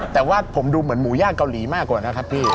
แต่ว่าผมดูเหมือนหมูย่างเกาหลีมากกว่านะครับพี่